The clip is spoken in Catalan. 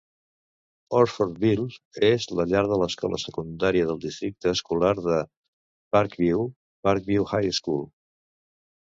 Orfordville és la llar de l'escola secundària del districte escolar de Parkview, Parkview High School.